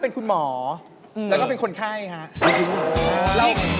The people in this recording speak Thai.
ไปพบแพทย์ท่านอื่น